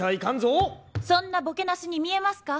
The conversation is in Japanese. そんなボケナスに見えますか？